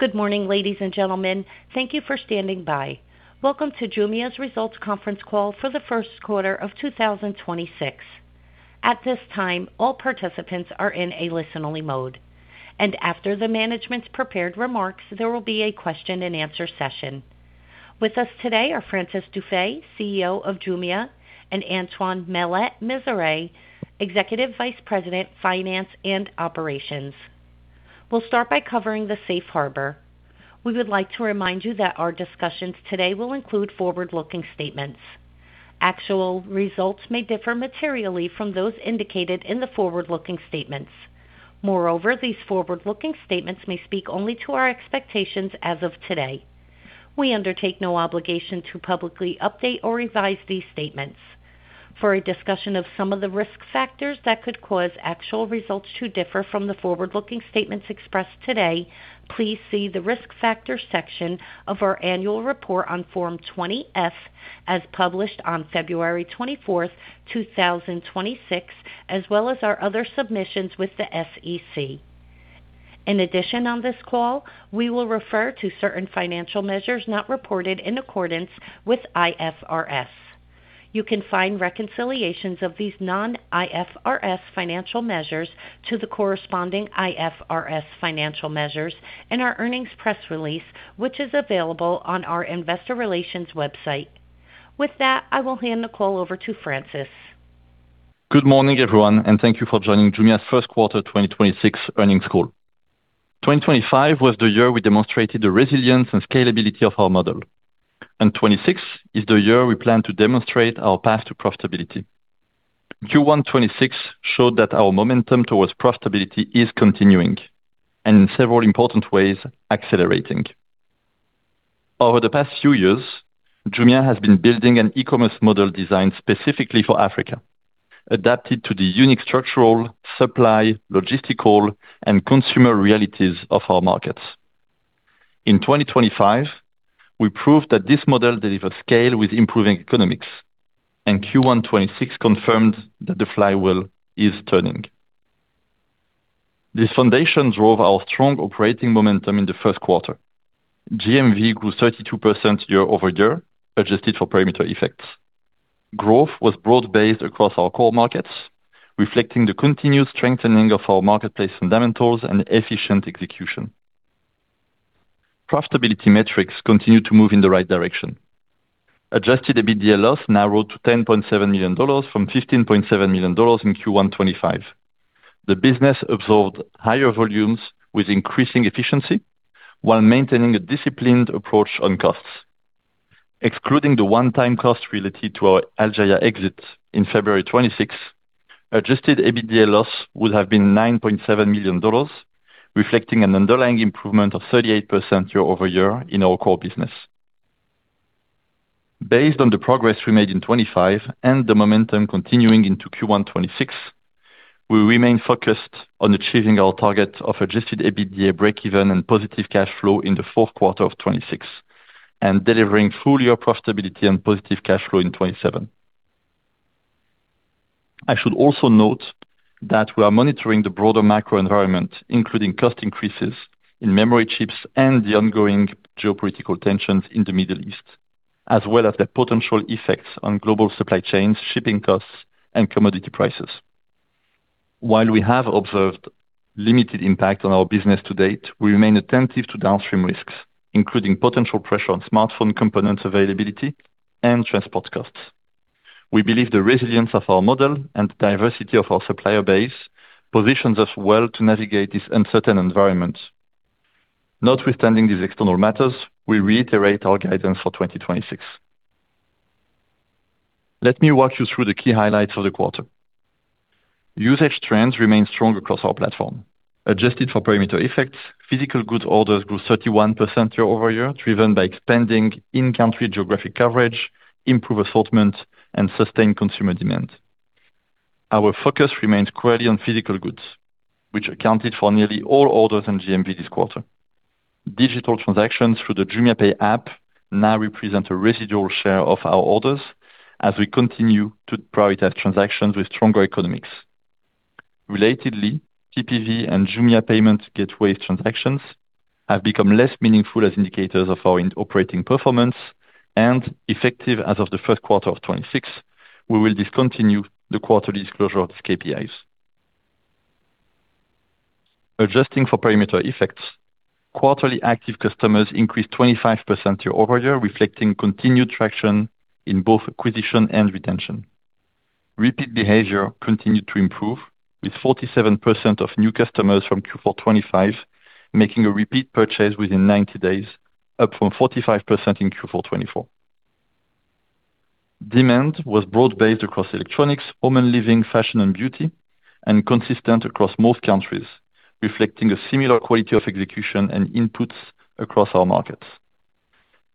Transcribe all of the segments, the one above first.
Good morning, ladies and gentlemen. Thank you for standing by. Welcome to Jumia's results conference call for the first quarter of 2026. At this time, all participants are in a listen-only mode. After the management's prepared remarks, there will be a question and answer session. With us today are Francis Dufay, CEO of Jumia, and Antoine Maillet-Mezeray, Executive Vice President, Finance and Operations. We'll start by covering the safe harbor. We would like to remind you that our discussions today will include forward-looking statements. Actual results may differ materially from those indicated in the forward-looking statements. Moreover, these forward-looking statements may speak only to our expectations as of today. We undertake no obligation to publicly update or revise these statements. For a discussion of some of the risk factors that could cause actual results to differ from the forward-looking statements expressed today, please see the Risk Factors section of our annual report on Form 20-F as published on February 24th, 2026, as well as our other submissions with the SEC. In addition, on this call, we will refer to certain financial measures not reported in accordance with IFRS. You can find reconciliations of these non-IFRS financial measures to the corresponding IFRS financial measures in our earnings press release, which is available on our investor relations website. With that, I will hand the call over to Francis. Good morning, everyone, and thank you for joining Jumia's first quarter 2026 earnings call. 2025 was the year we demonstrated the resilience and scalability of our model. 2026 is the year we plan to demonstrate our path to profitability. Q1 2026 showed that our momentum towards profitability is continuing and in several important ways accelerating. Over the past few years, Jumia has been building an e-commerce model designed specifically for Africa, adapted to the unique structural, supply, logistical, and consumer realities of our markets. In 2025, we proved that this model delivers scale with improving economics, and Q1 2026 confirmed that the flywheel is turning. This foundation drove our strong operating momentum in the first quarter. GMV grew 32% year-over-year, adjusted for perimeter effects. Growth was broad-based across our core markets, reflecting the continued strengthening of our marketplace fundamentals and efficient execution. Profitability metrics continue to move in the right direction. Adjusted EBITDA loss narrowed to $10.7 million from $15.7 million in Q1 2025. The business absorbed higher volumes with increasing efficiency while maintaining a disciplined approach on costs. Excluding the one-time cost related to our Algeria exit in February 2026, adjusted EBITDA loss would have been $9.7 million, reflecting an underlying improvement of 38% year-over-year in our core business. Based on the progress we made in 2025 and the momentum continuing into Q1 2026, we remain focused on achieving our target of adjusted EBITDA breakeven and positive cash flow in the fourth quarter of 2026 and delivering full-year profitability and positive cash flow in 2027. I should also note that we are monitoring the broader macro environment, including cost increases in memory chips and the ongoing geopolitical tensions in the Middle East, as well as their potential effects on global supply chains, shipping costs, and commodity prices. While we have observed limited impact on our business to date, we remain attentive to downstream risks, including potential pressure on smartphone components availability and transport costs. We believe the resilience of our model and diversity of our supplier base positions us well to navigate this uncertain environment. Notwithstanding these external matters, we reiterate our guidance for 2026. Let me walk you through the key highlights of the quarter. Usage trends remain strong across our platform. Adjusted for perimeter effects, physical goods orders grew 31% year-over-year, driven by expanding in-country geographic coverage, improved assortment, and sustained consumer demand. Our focus remains clearly on physical goods, which accounted for nearly all orders in GMV this quarter. Digital transactions through the JumiaPay app now represent a residual share of our orders as we continue to prioritize transactions with stronger economics. Relatedly, TPV and Jumia payment gateway transactions have become less meaningful as indicators of our operating performance and effective as of the first quarter of 2026, we will discontinue the quarterly disclosure of these KPIs. Adjusting for perimeter effects, quarterly active customers increased 25% year-over-year, reflecting continued traction in both acquisition and retention. Repeat behavior continued to improve, with 47% of new customers from Q4 2025 making a repeat purchase within 90 days, up from 45% in Q4 2024. Demand was broad-based across electronics, home and living, fashion and beauty, and consistent across most countries, reflecting a similar quality of execution and inputs across our markets.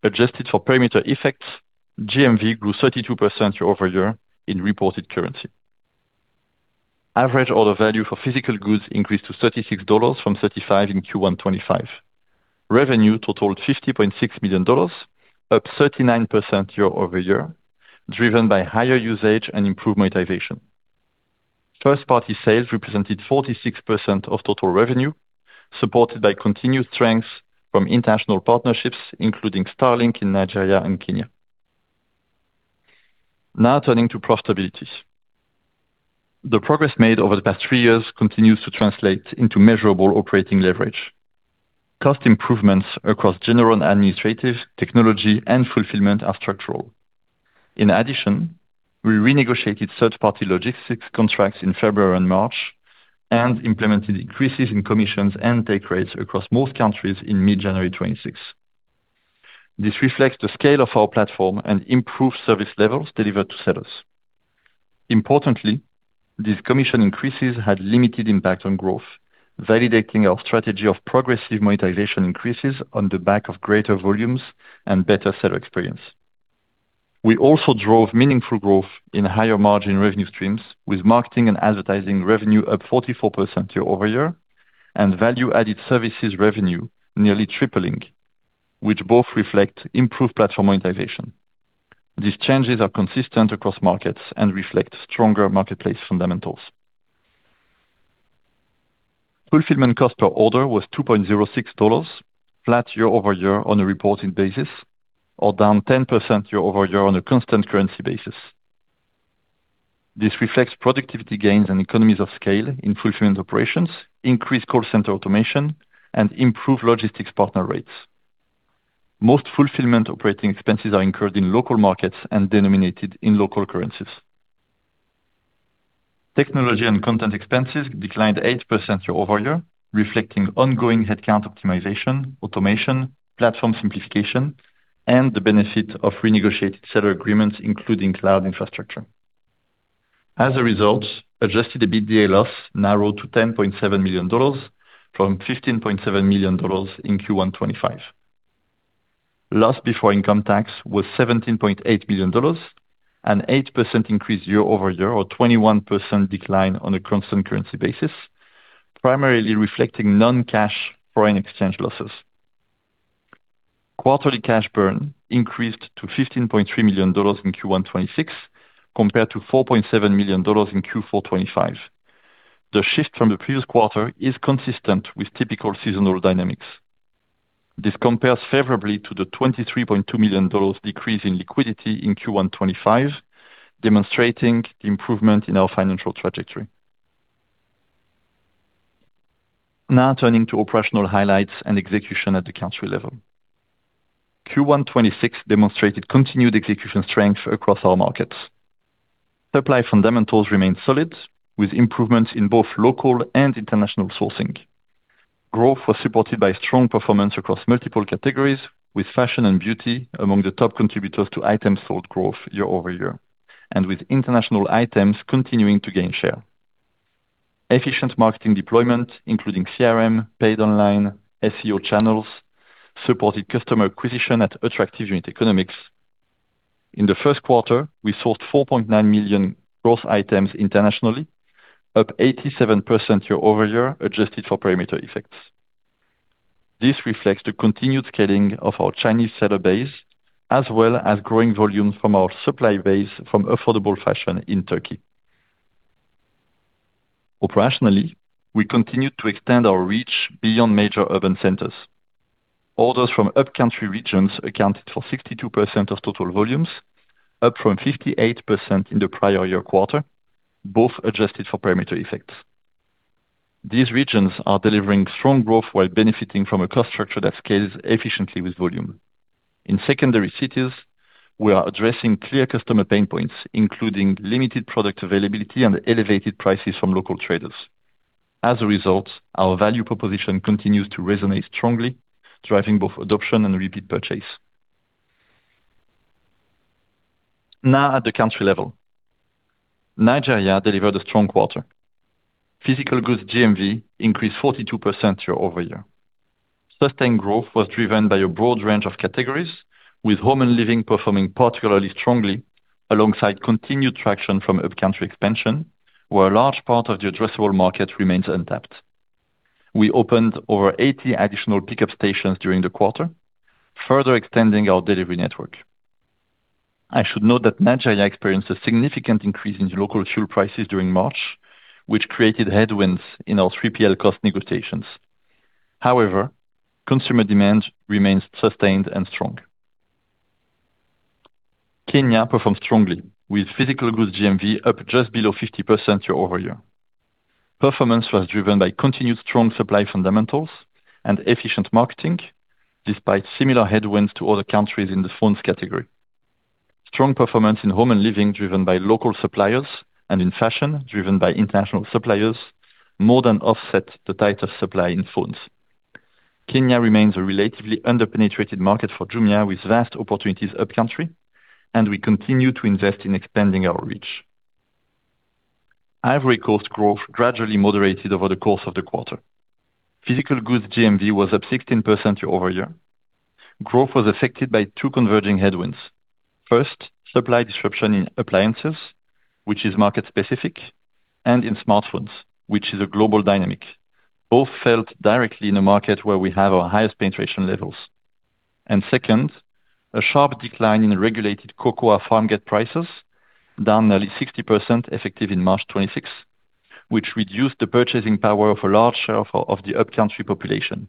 Adjusted for perimeter effects, GMV grew 32% year-over-year in reported currency. Average order value for physical goods increased to $36 from $35 in Q1 2025. Revenue totaled $50.6 million, up 39% year-over-year, driven by higher usage and improved monetization. First-party sales represented 46% of total revenue, supported by continued strength from international partnerships, including Starlink in Nigeria and Kenya. Now turning to profitability. The progress made over the past three years continues to translate into measurable operating leverage. Cost improvements across general and administrative, technology, and fulfillment are structural. We renegotiated third-party logistics contracts in February and March and implemented increases in commissions and take rates across most countries in mid-January 26. This reflects the scale of our platform and improved service levels delivered to sellers. Importantly, these commission increases had limited impact on growth, validating our strategy of progressive monetization increases on the back of greater volumes and better seller experience. We also drove meaningful growth in higher-margin revenue streams, with marketing and advertising revenue up 44% year-over-year and value-added services revenue nearly tripling, which both reflect improved platform monetization. These changes are consistent across markets and reflect stronger marketplace fundamentals. Fulfillment cost per order was $2.06, flat year-over-year on a reported basis or down 10% year-over-year on a constant currency basis. This reflects productivity gains and economies of scale in fulfillment operations, increased call center automation, and improved logistics partner rates. Most fulfillment operating expenses are incurred in local markets and denominated in local currencies. Technology and content expenses declined 8% year-over-year, reflecting ongoing headcount optimization, automation, platform simplification, and the benefit of renegotiated seller agreements, including cloud infrastructure. As a result, adjusted EBITDA loss narrowed to $10.7 million from $15.7 million in Q1 2025. Loss before income tax was $17.8 million, an 8% increase year-over-year or 21% decline on a constant currency basis, primarily reflecting non-cash foreign exchange losses. Quarterly cash burn increased to $15.3 million in Q1 2026 compared to $4.7 million in Q4 2025. The shift from the previous quarter is consistent with typical seasonal dynamics. This compares favorably to the $23.2 million decrease in liquidity in Q1 2025, demonstrating improvement in our financial trajectory. Now turning to operational highlights and execution at the country level. Q1 2026 demonstrated continued execution strength across our markets. Supply fundamentals remained solid, with improvements in both local and international sourcing. Growth was supported by strong performance across multiple categories, with fashion and beauty among the top contributors to items sold growth year-over-year and with international items continuing to gain share. Efficient marketing deployment, including CRM, paid online, SEO channels, supported customer acquisition at attractive unit economics. In the first quarter, we sourced 4.9 million growth items internationally, up 87% year-over-year, adjusted for perimeter effects. This reflects the continued scaling of our Chinese seller base as well as growing volume from our supply base from affordable fashion in Turkey. Operationally, we continued to extend our reach beyond major urban centers. Orders from upcountry regions accounted for 62% of total volumes, up from 58% in the prior year quarter, both adjusted for perimeter effects. These regions are delivering strong growth while benefiting from a cost structure that scales efficiently with volume. In secondary cities, we are addressing clear customer pain points, including limited product availability and elevated prices from local traders. Our value proposition continues to resonate strongly, driving both adoption and repeat purchase. At the country level. Nigeria delivered a strong quarter. Physical goods GMV increased 42% year-over-year. Sustained growth was driven by a broad range of categories, with home and living performing particularly strongly alongside continued traction from upcountry expansion, where a large part of the addressable market remains untapped. We opened over 80 additional pickup stations during the quarter, further extending our delivery network. I should note that Nigeria experienced a significant increase in local fuel prices during March, which created headwinds in our 3PL cost negotiations. Consumer demand remains sustained and strong. Kenya performed strongly, with physical goods GMV up just below 50% year-over-year. Performance was driven by continued strong supply fundamentals and efficient marketing despite similar headwinds to other countries in the phones category. Strong performance in home and living driven by local suppliers and in fashion driven by international suppliers more than offset the tighter supply in phones. Kenya remains a relatively under-penetrated market for Jumia, with vast opportunities upcountry, and we continue to invest in expanding our reach. Ivory Coast growth gradually moderated over the course of the quarter. Physical goods GMV was up 16% year-over-year. Growth was affected by two converging headwinds. First, supply disruption in appliances, which is market-specific, and in smartphones, which is a global dynamic, both felt directly in a market where we have our highest penetration levels. Second, a sharp decline in regulated cocoa farm gate prices, down nearly 60% effective in March 26, which reduced the purchasing power of a large share of the upcountry population.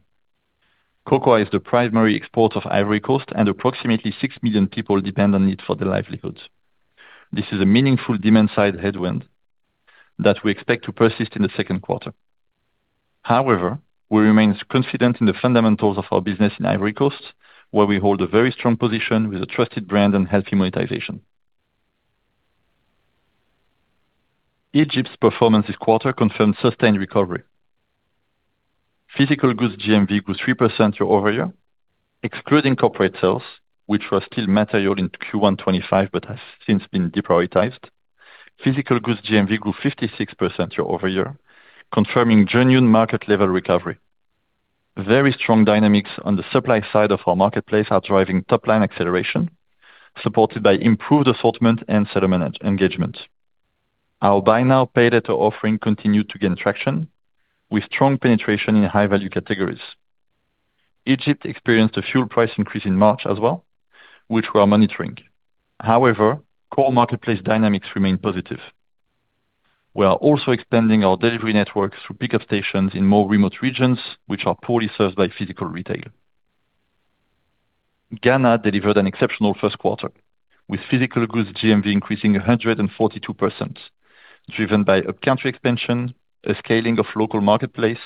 Cocoa is the primary export of Ivory Coast, and approximately 6 million people depend on it for their livelihoods. This is a meaningful demand-side headwind that we expect to persist in the second quarter. However, we remain confident in the fundamentals of our business in Ivory Coast, where we hold a very strong position with a trusted brand and healthy monetization. Egypt's performance this quarter confirmed sustained recovery. Physical goods GMV grew 3% year-over-year, excluding corporate sales, which were still material in Q1 2025 but has since been deprioritized. Physical goods GMV grew 56% year-over-year, confirming genuine market-level recovery. Very strong dynamics on the supply side of our marketplace are driving top-line acceleration, supported by improved assortment and seller engagement. Our Buy Now, Pay Later offering continued to gain traction with strong penetration in high-value categories. Egypt experienced a fuel price increase in March as well, which we are monitoring. However, core marketplace dynamics remain positive. We are also expanding our delivery network through pickup stations in more remote regions which are poorly served by physical retail. Ghana delivered an exceptional first quarter, with physical goods GMV increasing 142%, driven by upcountry expansion, a scaling of local marketplace,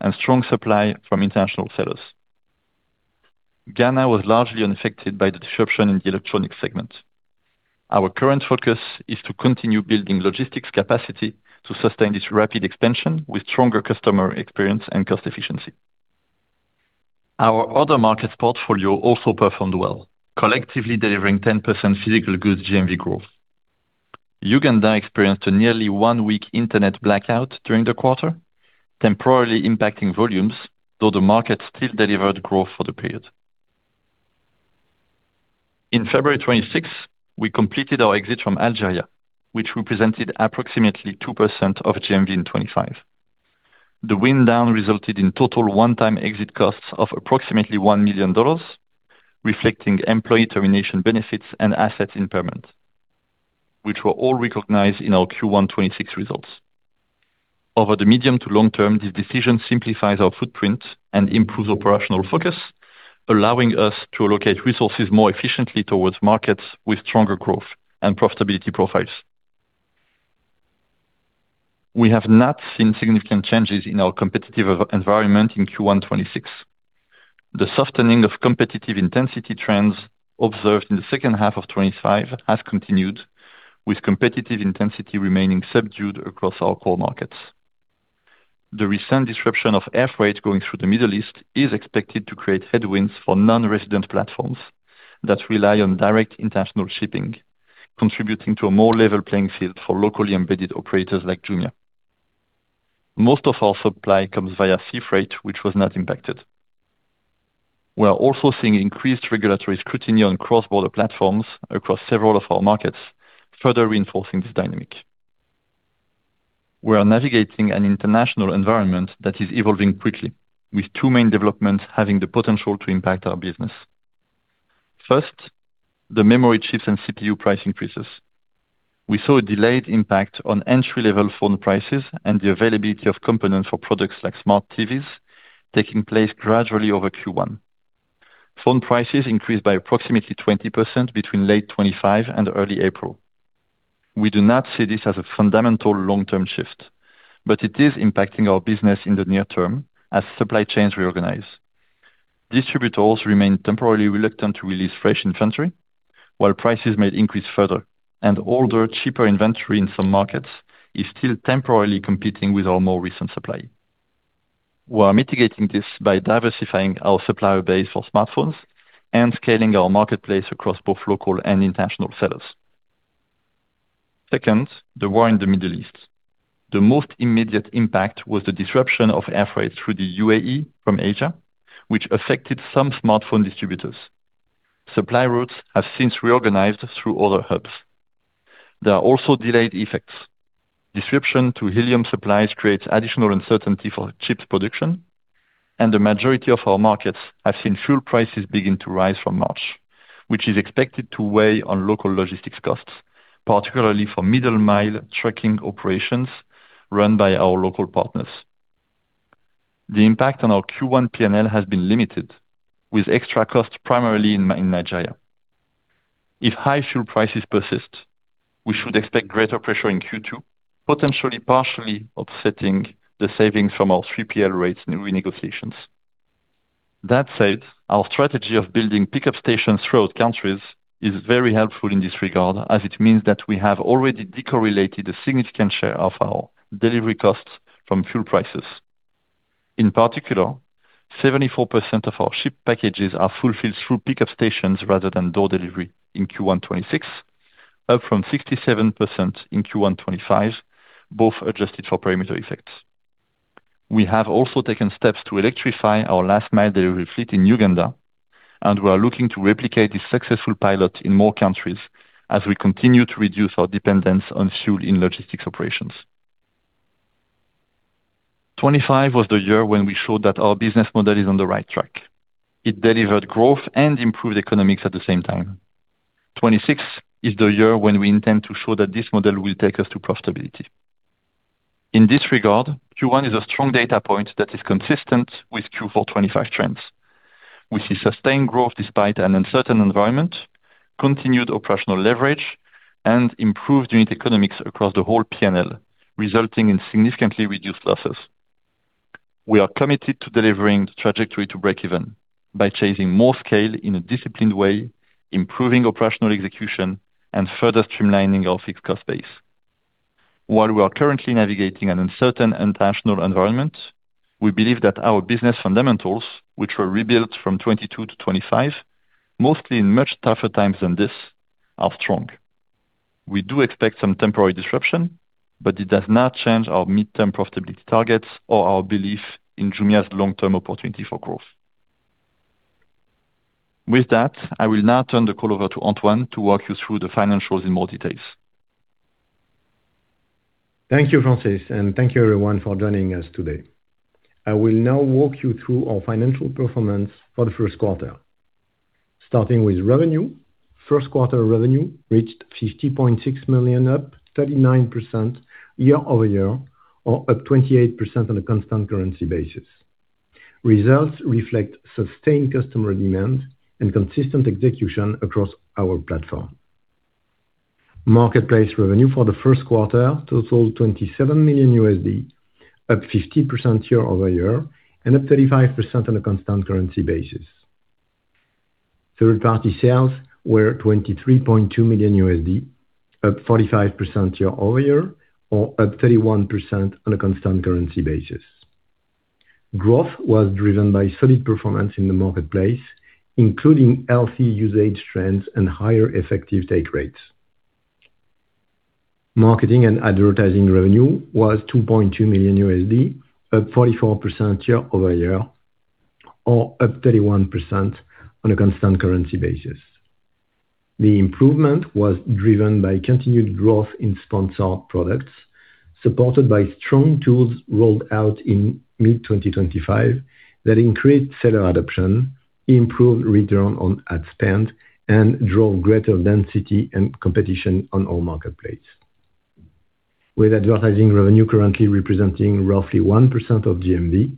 and strong supply from international sellers. Ghana was largely unaffected by the disruption in the electronic segment. Our current focus is to continue building logistics capacity to sustain this rapid expansion with stronger customer experience and cost efficiency. Our other markets portfolio also performed well, collectively delivering 10% physical goods GMV growth. Uganda experienced a nearly one-week internet blackout during the quarter, temporarily impacting volumes, though the market still delivered growth for the period. In February 2026, we completed our exit from Algeria, which represented approximately 2% of GMV in 2025. The wind down resulted in total 1-time exit costs of approximately $1 million, reflecting employee termination benefits and asset impairment, which were all recognized in our Q1 2026 results. Over the medium to long term, this decision simplifies our footprint and improves operational focus, allowing us to allocate resources more efficiently towards markets with stronger growth and profitability profiles. We have not seen significant changes in our competitive environment in Q1 26. The softening of competitive intensity trends observed in the second half of 25 has continued, with competitive intensity remaining subdued across our core markets. The recent disruption of air freight going through the Middle East is expected to create headwinds for non-resident platforms that rely on direct international shipping, contributing to a more level playing field for locally embedded operators like Jumia. Most of our supply comes via sea freight, which was not impacted. We are also seeing increased regulatory scrutiny on cross-border platforms across several of our markets, further reinforcing this dynamic. We are navigating an international environment that is evolving quickly, with two main developments having the potential to impact our business. First, the memory chips and CPU price increases. We saw a delayed impact on entry-level phone prices and the availability of components for products like smart TVs taking place gradually over Q1. Phone prices increased by approximately 20% between late 2025 and early April. We do not see this as a fundamental long-term shift, but it is impacting our business in the near term as supply chains reorganize. Distributors remain temporarily reluctant to release fresh inventory, while prices may increase further, and older, cheaper inventory in some markets is still temporarily competing with our more recent supply. We are mitigating this by diversifying our supplier base for smartphones and scaling our marketplace across both local and international sellers. Second, the war in the Middle East. The most immediate impact was the disruption of air freight through the UAE from Asia, which affected some smartphone distributors. Supply routes have since reorganized through other hubs. There are also delayed effects. Disruption to helium supplies creates additional uncertainty for chip production, and the majority of our markets have seen fuel prices begin to rise from March, which is expected to weigh on local logistics costs, particularly for middle-mile trucking operations run by our local partners. The impact on our Q1 P&L has been limited, with extra costs primarily in Nigeria. If high fuel prices persist, we should expect greater pressure in Q2, potentially partially offsetting the savings from our 3PL rates in renegotiations. That said, our strategy of building pickup stations throughout countries is very helpful in this regard, as it means that we have already de-correlated a significant share of our delivery costs from fuel prices. In particular, 74% of our shipped packages are fulfilled through pickup stations rather than door delivery in Q1 2026, up from 67% in Q1 2025, both adjusted for perimeter effects. We have also taken steps to electrify our last mile delivery fleet in Uganda, we are looking to replicate this successful pilot in more countries as we continue to reduce our dependence on fuel in logistics operations. 2025 was the year when we showed that our business model is on the right track. It delivered growth and improved economics at the same time. 2026 is the year when we intend to show that this model will take us to profitability. In this regard, Q1 is a strong data point that is consistent with Q4 2025 trends. We see sustained growth despite an uncertain environment, continued operational leverage, and improved unit economics across the whole P&L, resulting in significantly reduced losses. We are committed to delivering the trajectory to break even by chasing more scale in a disciplined way, improving operational execution, and further streamlining our fixed cost base. While we are currently navigating an uncertain international environment, we believe that our business fundamentals, which were rebuilt from 22-25, mostly in much tougher times than this, are strong. We do expect some temporary disruption, but it does not change our midterm profitability targets or our belief in Jumia's long-term opportunity for growth. With that, I will now turn the call over to Antoine to walk you through the financials in more details. Thank you, Francis, and thank you everyone for joining us today. I will now walk you through our financial performance for the first quarter. Starting with revenue, first quarter revenue reached $50.6 million, up 39% year-over-year or up 28% on a constant currency basis. Results reflect sustained customer demand and consistent execution across our platform. Marketplace revenue for the first quarter totaled $27 million, up 50% year-over-year and up 35% on a constant currency basis. Third-party sales were $23.2 million, up 45% year-over-year or up 31% on a constant currency basis. Growth was driven by solid performance in the marketplace, including healthy usage trends and higher effective take rates. Marketing and advertising revenue was $2.2 million, up 44% year-over-year or up 31% on a constant currency basis. The improvement was driven by continued growth in sponsored products, supported by strong tools rolled out in mid-2025 that increased seller adoption, improved return on ad spend, and drove greater density and competition on our marketplace. With advertising revenue currently representing roughly 1% of GMV,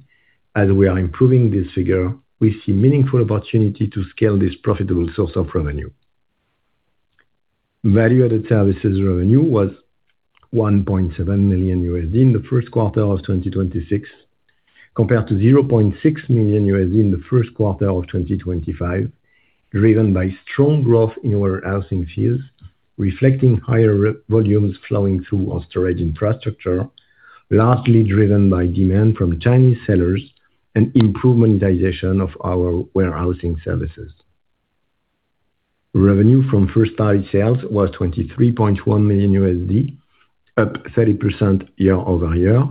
as we are improving this figure, we see meaningful opportunity to scale this profitable source of revenue. Value-added services revenue was $1.7 million in the first quarter of 2026, compared to $0.6 million in the first quarter of 2025, driven by strong growth in warehousing fees, reflecting higher volumes flowing through our storage infrastructure, largely driven by demand from Chinese sellers and improved monetization of our warehousing services. Revenue from first party sales was $23.1 million, up 30% year-over-year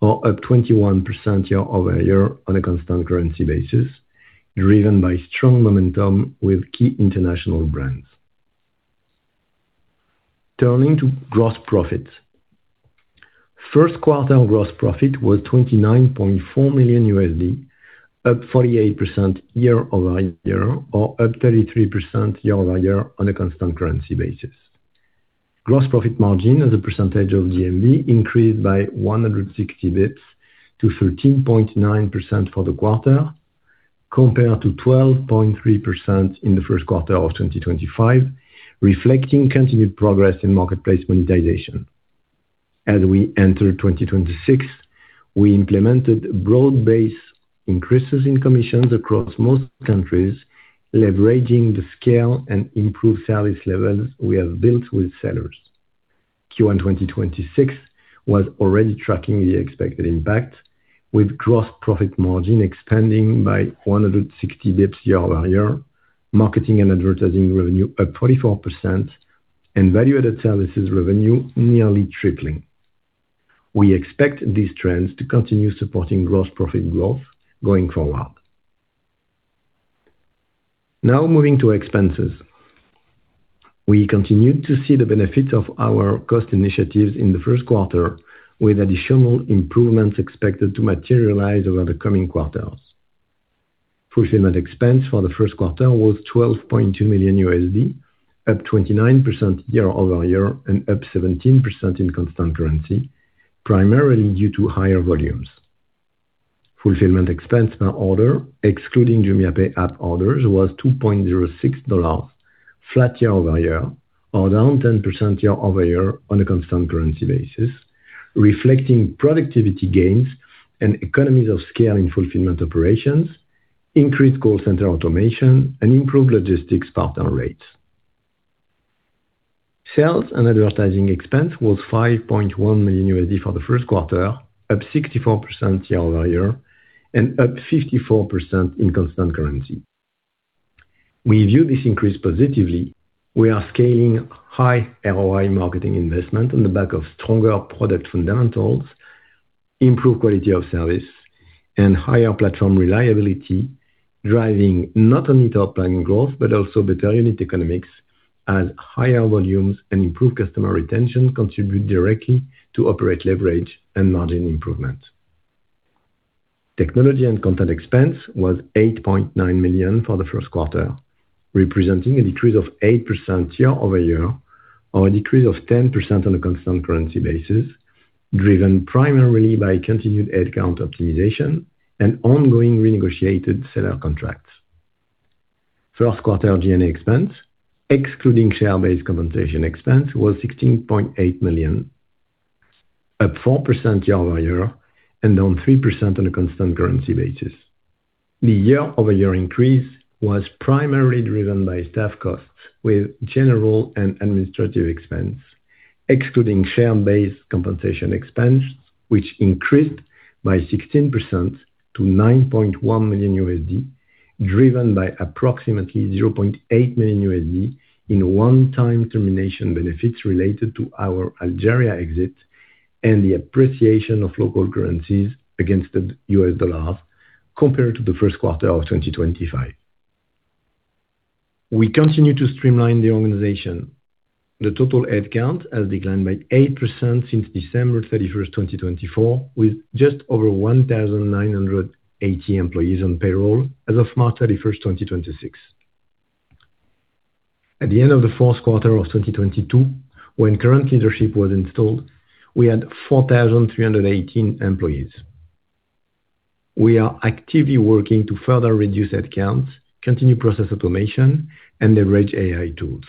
or up 21% year-over-year on a constant currency basis, driven by strong momentum with key international brands. Turning to gross profits. First quarter gross profit was $29.4 million, up 48% year-over-year or up 33% year-over-year on a constant currency basis. Gross profit margin as a percentage of GMV increased by 160 basis points to 13.9% for the quarter, compared to 12.3% in the first quarter of 2025, reflecting continued progress in marketplace monetization. As we enter 2026, we implemented broad-based increases in commissions across most countries, leveraging the scale and improved service levels we have built with sellers. Q1, 2026 was already tracking the expected impact, with gross profit margin expanding by 160 basis points year-over-year, marketing and advertising revenue up 24%, and value-added services revenue nearly tripling. We expect these trends to continue supporting gross profit growth going forward. Moving to expenses. We continued to see the benefits of our cost initiatives in the first quarter, with additional improvements expected to materialize over the coming quarters. Fulfillment expense for the first quarter was $12.2 million, up 29% year-over-year and up 17% in constant currency, primarily due to higher volumes. Fulfillment expense per order, excluding JumiaPay app orders, was $2.06, flat year-over-year or down 10% year-over-year on a constant currency basis, reflecting productivity gains and economies of scale in fulfillment operations, increased call center automation, and improved logistics partner rates. Sales and advertising expense was $5.1 million for the first quarter, up 64% year-over-year and up 54% in constant currency. We view this increase positively. We are scaling high ROI marketing investment on the back of stronger product fundamentals, improved quality of service. Higher platform reliability, driving not only top line growth, but also better unit economics and higher volumes and improved customer retention contribute directly to operating leverage and margin improvement. Technology and content expense was $8.9 million for the first quarter, representing a decrease of 8% year-over-year or a decrease of 10% on a constant currency basis, driven primarily by continued headcount optimization and ongoing renegotiated seller contracts. First quarter G&A expense, excluding share-based compensation expense, was $16.8 million, up 4% year-over-year and down 3% on a constant currency basis. The year-over-year increase was primarily driven by staff costs with General and Administrative expense, excluding share-based compensation expense, which increased by 16% to $9.1 million, driven by approximately $0.8 million in one-time termination benefits related to our Algeria exit and the appreciation of local currencies against the U.S. dollar compared to the first quarter of 2025. We continue to streamline the organization. The total headcount has declined by 8% since December 31, 2024, with just over 1,980 employees on payroll as of March 31, 2026. At the end of the fourth quarter of 2022, when current leadership was installed, we had 4,318 employees. We are actively working to further reduce headcounts, continue process automation and leverage AI tools.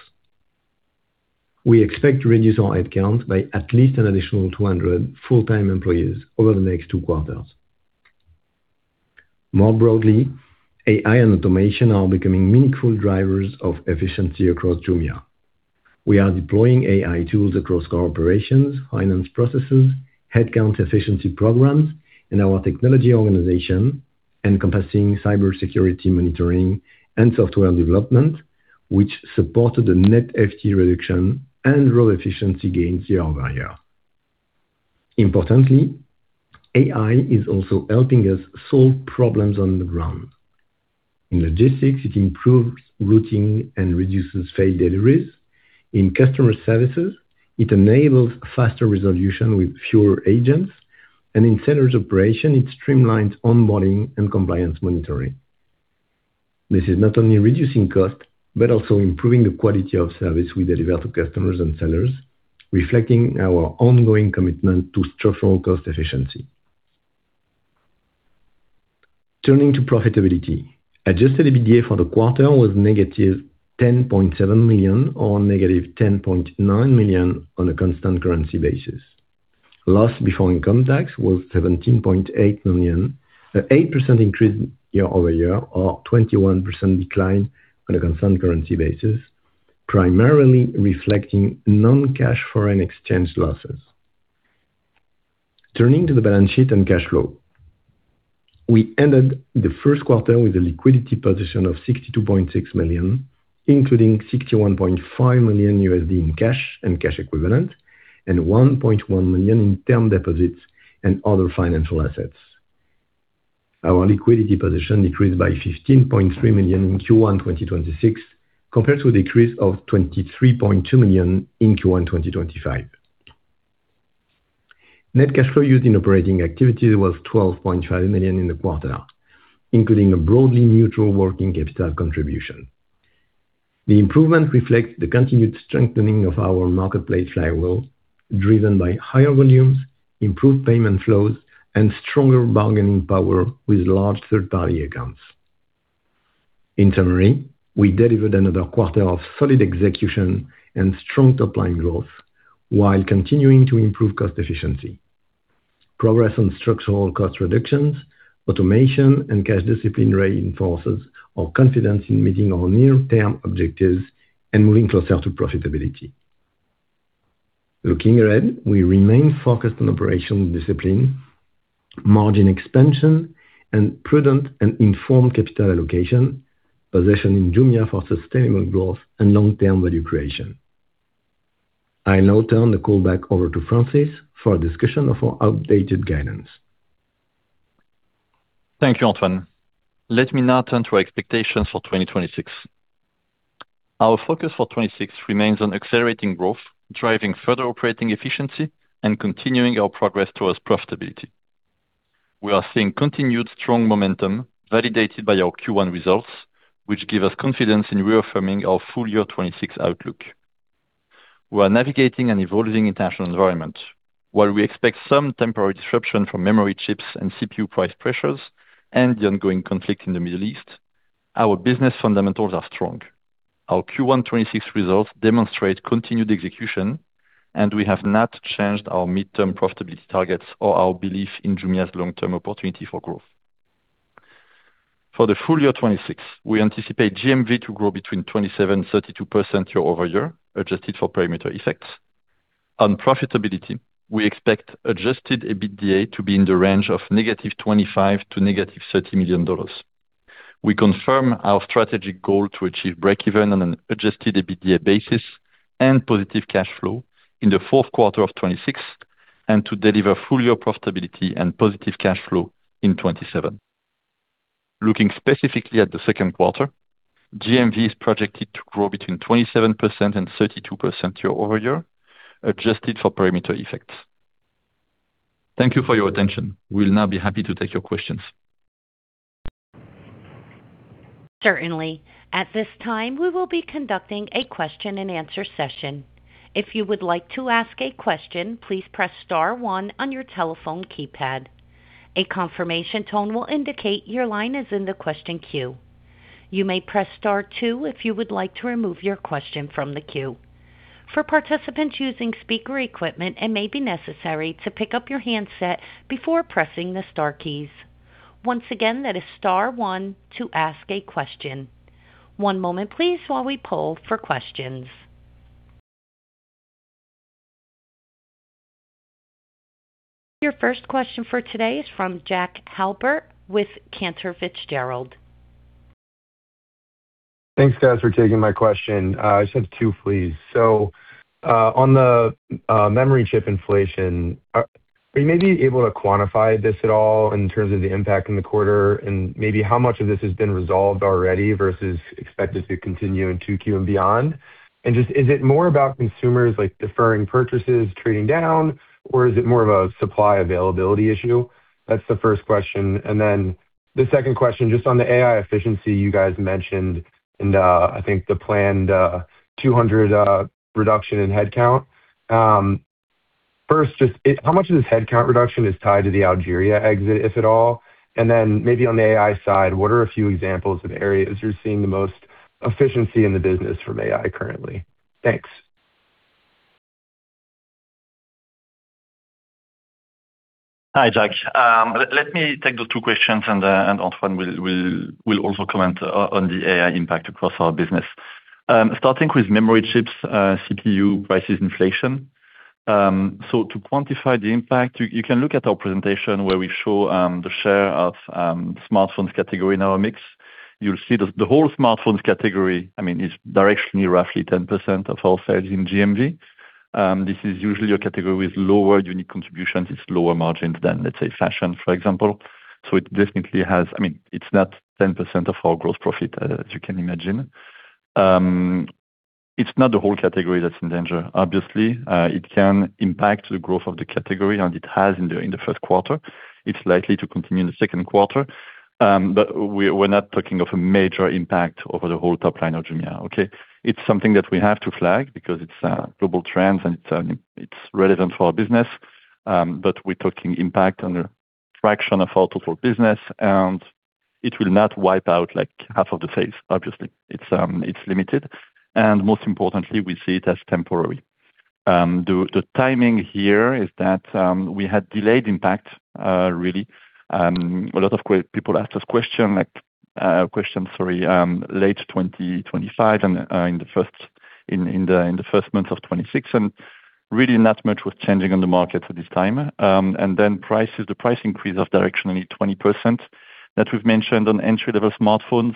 We expect to reduce our headcount by at least an additional 200 full-time employees over the next two quarters. More broadly, AI and automation are becoming meaningful drivers of efficiency across Jumia. We are deploying AI tools across core operations, finance processes, headcount efficiency programs in our technology organization, encompassing cybersecurity monitoring and software development, which supported a net FTE reduction and raw efficiency gains year-over-year. Importantly, AI is also helping us solve problems on the ground. In logistics, it improves routing and reduces failed deliveries. In customer services, it enables faster resolution with fewer agents. In sellers operation, it streamlines onboarding and compliance monitoring. This is not only reducing cost, but also improving the quality of service we deliver to customers and sellers, reflecting our ongoing commitment to structural cost efficiency. Turning to profitability, adjusted EBITDA for the quarter was -$10.7 million or-$10.9 million on a constant currency basis. Loss before income tax was $17.8 million, an 8% increase year-over-year or 21% decline on a constant currency basis, primarily reflecting non-cash foreign exchange losses. Turning to the balance sheet and cash flow. We ended the first quarter with a liquidity position of $62.6 million, including $61.5 million in cash and cash equivalent and $1.1 million in term deposits and other financial assets. Our liquidity position decreased by $15.3 million in Q1 2026 compared to a decrease of $23.2 million in Q1 2025. Net cash flow used in operating activities was $12.5 million in the quarter, including a broadly neutral working capital contribution. The improvement reflects the continued strengthening of our marketplace flywheel, driven by higher volumes, improved payment flows, and stronger bargaining power with large third-party accounts. In summary, we delivered another quarter of solid execution and strong top line growth while continuing to improve cost efficiency. Progress on structural cost reductions, automation and cash discipline reinforces our confidence in meeting our near-term objectives and moving closer to profitability. Looking ahead, we remain focused on operational discipline, margin expansion and prudent and informed capital allocation, positioning Jumia for sustainable growth and long-term value creation. I now turn the call back over to Francis for a discussion of our updated guidance. Thank you, Antoine. Let me now turn to our expectations for 2026. Our focus for 2026 remains on accelerating growth, driving further operating efficiency and continuing our progress towards profitability. We are seeing continued strong momentum validated by our Q1 results, which give us confidence in reaffirming our full year 2026 outlook. We are navigating an evolving international environment. While we expect some temporary disruption from memory chips and CPU price pressures and the ongoing conflict in the Middle East, our business fundamentals are strong. Our Q1 2026 results demonstrate continued execution, and we have not changed our midterm profitability targets or our belief in Jumia's long-term opportunity for growth. For the full year 2026, we anticipate GMV to grow between 27%-32% year-over-year, adjusted for perimeter effects. On profitability, we expect adjusted EBITDA to be in the range of -$25 million to -$30 million. We confirm our strategic goal to achieve breakeven on an adjusted EBITDA basis and positive cash flow in the fourth quarter of 2026, and to deliver full year profitability and positive cash flow in 2027. Looking specifically at the second quarter, GMV is projected to grow between 27% and 32% year-over-year, adjusted for perimeter effects. Thank you for your attention. We'll now be happy to take your questions. Certainly. At this time, we will be conducting a question-and-answer session. If you would like to ask a question, please press star 1 on your telephone keypad. A confirmation tone will indicate your line is in the question queue. You may press star 2 if you would like to remove your question from the queue. For participants using speaker equipment, it may be necessary to pick up your handset before pressing the star keys. Once again, that is star 1 to ask a question. One moment, please, while we poll for questions. Your first question for today is from Jack Halpert with Cantor Fitzgerald. Thanks, guys, for taking my question. I just have two please. On the memory chip inflation, are you maybe able to quantify this at all in terms of the impact in the quarter and maybe how much of this has been resolved already versus expected to continue in 2Q and beyond? Is it more about consumers like deferring purchases, trading down, or is it more of a supply availability issue? That's the first question. The second question, just on the AI efficiency you guys mentioned and I think the planned 200 reduction in headcount. First, just how much of this headcount reduction is tied to the Algeria exit, if at all? Maybe on the AI side, what are a few examples of areas you're seeing the most efficiency in the business from AI currently? Thanks. Hi, Jack. Let me take those two questions, and Antoine will also comment on the AI impact across our business. Starting with memory chips, CPU prices inflation. To quantify the impact, you can look at our presentation where we show the share of smartphones category in our mix. You'll see the whole smartphones category, I mean, is directionally roughly 10% of all sales in GMV. This is usually a category with lower unit contributions. It's lower margins than, let's say, fashion, for example. I mean, it's not 10% of our gross profit, as you can imagine. It's not the whole category that's in danger. Obviously, it can impact the growth of the category, and it has in the first quarter. It's likely to continue in the second quarter. We're not talking of a major impact over the whole top line of Jumia, okay? It's something that we have to flag because it's a global trend, and it's relevant for our business. We're talking impact on a fraction of our total business, and it will not wipe out like half of the sales, obviously. It's limited, and most importantly, we see it as temporary. The timing here is that we had delayed impact, really. A lot of people asked us question, sorry, late 2025 and in the first month of 2026, really not much was changing on the market at this time. Then prices, the price increase of directionally 20% that we've mentioned on entry-level smartphones,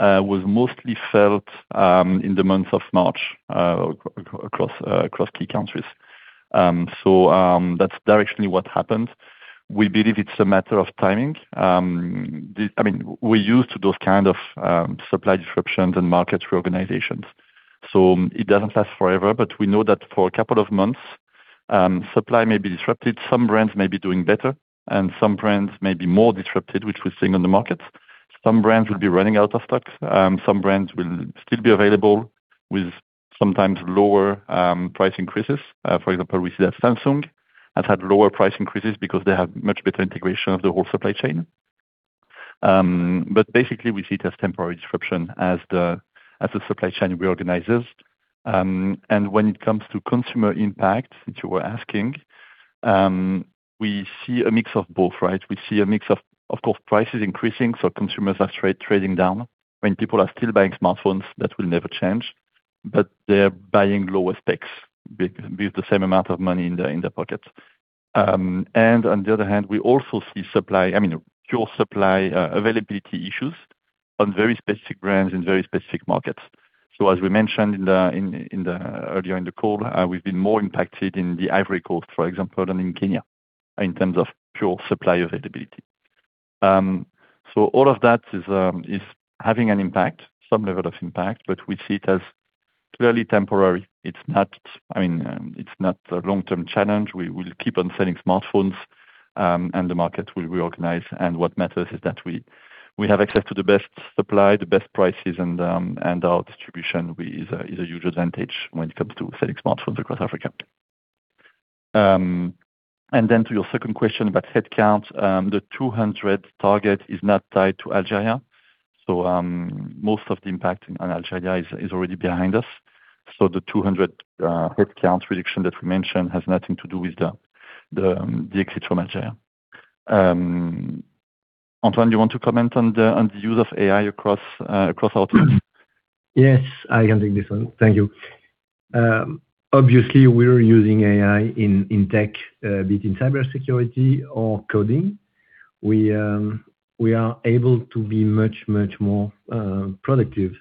was mostly felt in the month of March across key countries. That's directionally what happened. We believe it's a matter of timing. I mean, we're used to those kind of supply disruptions and market reorganizations. It doesn't last forever, but we know that for a couple of months, supply may be disrupted. Some brands may be doing better, and some brands may be more disrupted, which we're seeing on the market. Some brands will be running out of stock. Some brands will still be available with sometimes lower price increases. For example, we see that Samsung has had lower price increases because they have much better integration of the whole supply chain. Basically, we see it as temporary disruption as the supply chain reorganizes. When it comes to consumer impact, which you were asking, we see a mix of both, right? We see a mix of course, prices increasing, so consumers are trading down. I mean, people are still buying smartphones. That will never change. They're buying lower specs with the same amount of money in their pocket. On the other hand, we also see supply, I mean, pure supply, availability issues on very specific brands in very specific markets. As we mentioned earlier in the call, we've been more impacted in the Ivory Coast, for example, than in Kenya in terms of pure supply availability. All of that is having an impact, some level of impact, but we see it as clearly temporary. It's not, I mean, it's not a long-term challenge. We'll keep on selling smartphones, and the market will reorganize. What matters is that we have access to the best supply, the best prices, and our distribution is a huge advantage when it comes to selling smartphones across Africa. And then to your second question about headcount, the 200 target is not tied to Algeria. Most of the impact on Algeria is already behind us. The 200 headcount reduction that we mentioned has nothing to do with the exit from Algeria. Antoine, do you want to comment on the use of AI across our business? Yes, I can take this one. Thank you. Obviously, we're using AI in tech, be it in cybersecurity or coding. We are able to be much more productive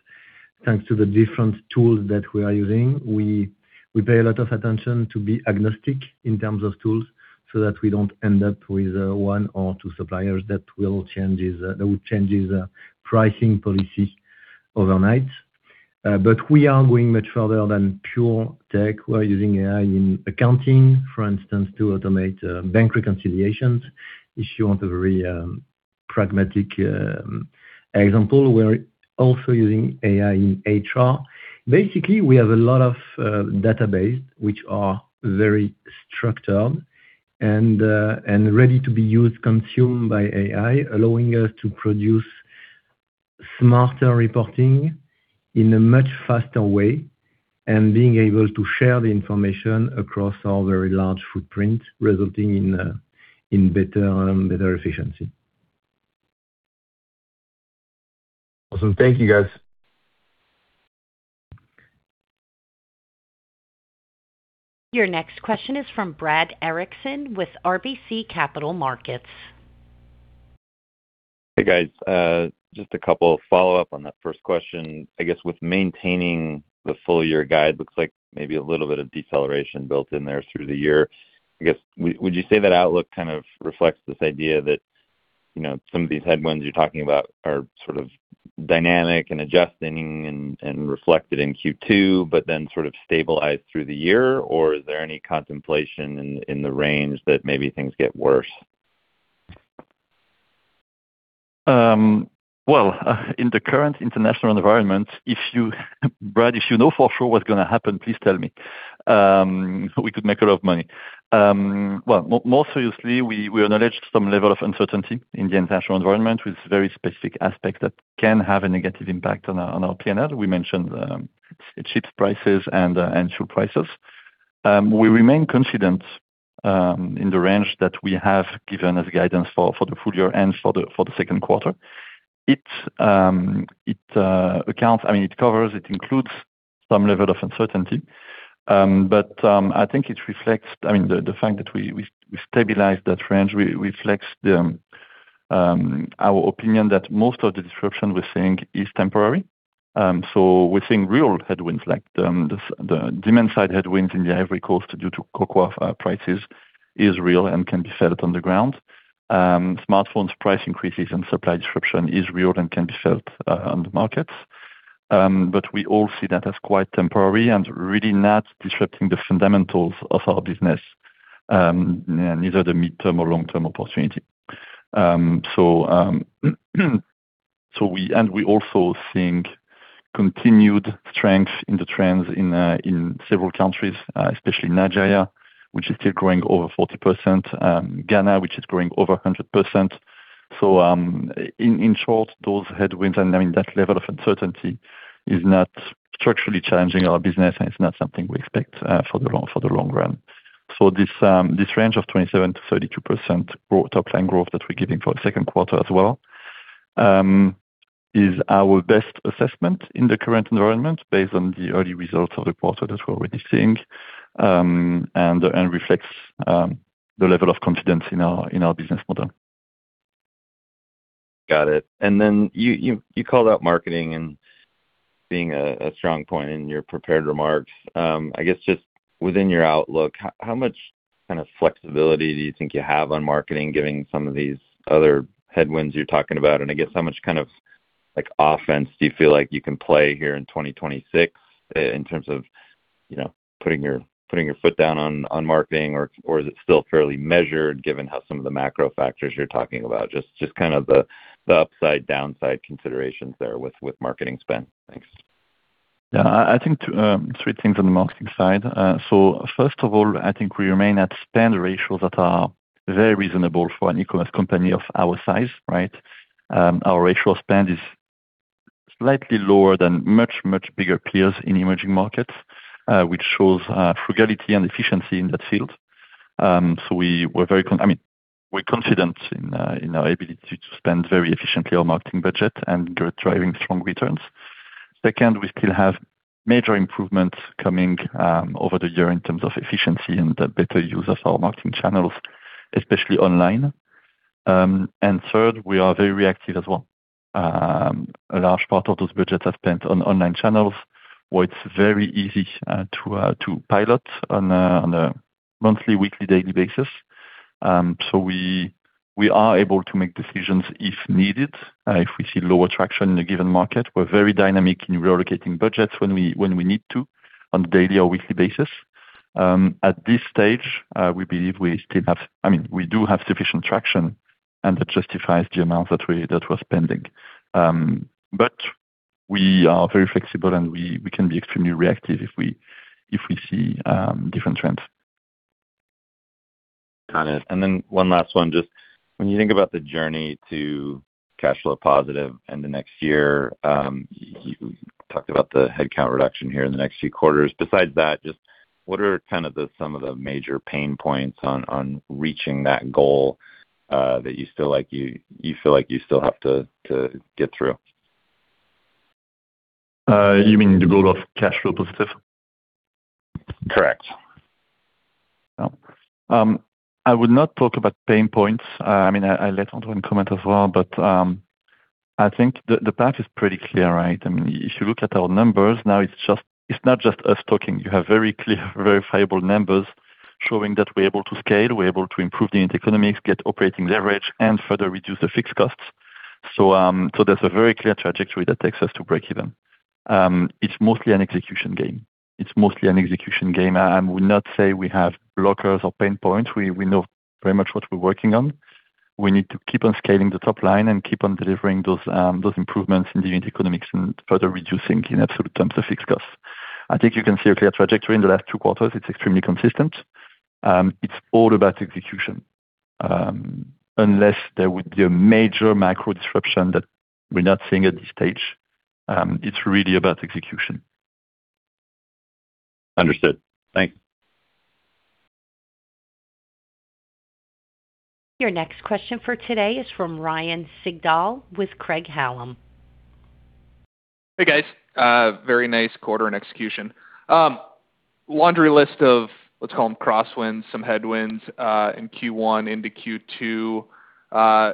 thanks to the different tools that we are using. We pay a lot of attention to be agnostic in terms of tools so that we don't end up with one or two suppliers that will changes pricing policy overnight. We are going much further than pure tech. We're using AI in accounting, for instance, to automate bank reconciliations. If you want a very pragmatic example, we're also using AI in HR. Basically, we have a lot of database which are very structured and ready to be used, consumed by AI, allowing us to produce smarter reporting in a much faster way, and being able to share the information across our very large footprint, resulting in better efficiency. Awesome. Thank you, guys. Your next question is from Brad Erickson with RBC Capital Markets. Hey, guys. Just a couple follow-up on that first question. I guess with maintaining the full-year guide, looks like maybe a little bit of deceleration built in there through the year. I guess, would you say that outlook kind of reflects this idea that, you know, some of these headwinds you're talking about are sort of dynamic and adjusting and reflected in Q two, but then sort of stabilize through the year? Or is there any contemplation in the range that maybe things get worse? Well, in the current international environment, if Brad, if you know for sure what's gonna happen, please tell me. We could make a lot of money. Well, more seriously, we acknowledge some level of uncertainty in the international environment with very specific aspects that can have a negative impact on our, on our P&L. We mentioned chips prices and fuel costs. We remain confident in the range that we have given as guidance for the full year and for the second quarter. It, I mean, it covers, it includes some level of uncertainty. But, I think it reflects, I mean, the fact that we stabilize that range, reflects the our opinion that most of the disruption we're seeing is temporary. We're seeing real headwinds like, the demand side headwinds in the Ivory Coast due to cocoa prices is real and can be felt on the ground. Smartphones price increases and supply disruption is real and can be felt on the markets. We all see that as quite temporary and really not disrupting the fundamentals of our business, neither the midterm or long-term opportunity. We also seeing continued strength in the trends in several countries, especially Nigeria, which is still growing over 40%, Ghana, which is growing over 100%. In short, those headwinds and, I mean, that level of uncertainty is not structurally challenging our business, and it's not something we expect for the long run. This range of 27%-32% top line growth that we're giving for the second quarter as well, is our best assessment in the current environment based on the early results of the quarter that we're already seeing, and reflects the level of confidence in our business model. Got it. You called out marketing and being a strong point in your prepared remarks. I guess just within your outlook, how much kind of flexibility do you think you have on marketing, giving some of these other headwinds you're talking about? I guess how much kind of like offense do you feel like you can play here in 2026 in terms of, you know, putting your foot down on marketing or is it still fairly measured given how some of the macro factors you're talking about? Just kind of the upside/downside considerations there with marketing spend. Thanks. I think three things on the marketing side. First of all, I think we remain at spend ratios that are very reasonable for an e-commerce company of our size. Our ratio spend is slightly lower than much, much bigger players in emerging markets, which shows frugality and efficiency in that field. We were very, I mean, we're confident in our ability to spend very efficiently our marketing budget and driving strong returns. Second, we still have major improvements coming over the year in terms of efficiency and the better use of our marketing channels, especially online. Third, we are very reactive as well. A large part of those budgets are spent on online channels where it's very easy to pilot on a monthly, weekly, daily basis. We are able to make decisions if needed, if we see low attraction in a given market. We're very dynamic in relocating budgets when we need to on a daily or weekly basis. At this stage, I mean, we do have sufficient traction, and that justifies the amount that we're spending. We are very flexible, and we can be extremely reactive if we see different trends. Got it. One last one. Just when you think about the journey to cash flow positive in the next year, you talked about the headcount reduction here in the next few quarters. Besides that, what are kind of the, some of the major pain points on reaching that goal, that you feel like you still have to get through? You mean the goal of cash flow positive? Correct. I would not talk about pain points. I mean, I let Antoine comment as well, I think the path is pretty clear, right? I mean, if you look at our numbers, now it's not just us talking. You have very clear verifiable numbers showing that we're able to scale, we're able to improve the unit economics, get operating leverage, and further reduce the fixed costs. There's a very clear trajectory that takes us to break even. It's mostly an execution game. I would not say we have blockers or pain points. We know very much what we're working on. We need to keep on scaling the top line and keep on delivering those improvements in the unit economics and further reducing in absolute terms the fixed costs. I think you can see a clear trajectory in the last two quarters. It's extremely consistent. It's all about execution. Unless there would be a major macro disruption that we're not seeing at this stage, it's really about execution. Understood. Thank you. Your next question for today is from Ryan Sigdahl with Craig-Hallum. Hey, guys. Very nice quarter and execution. Laundry list of, let's call them crosswinds, some headwinds, in Q1 into Q2.